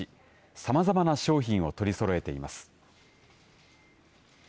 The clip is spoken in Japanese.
さまざまな商品を取りそろえています。